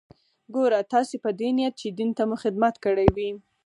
ګوره تاسې په دې نيت چې دين ته مو خدمت کړى وي.